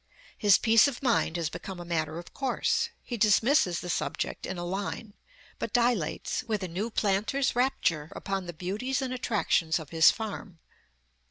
His peace of mind has become a matter of course; he dismisses the subject in a line, but dilates, with a new planter's rapture, upon the beauties and attractions of his farm.